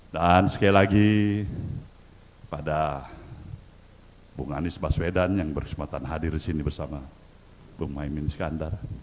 dan sekali lagi kepada bung anies baswedan yang berkesempatan hadir disini bersama bung maimin skandar